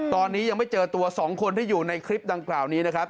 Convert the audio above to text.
ตอนนี้ยังไม่เจอตัว๒คนที่อยู่ในคลิปดังกล่าวนี้นะครับ